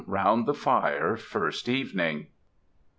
ROUND THE FIRE. FIRST EVENING.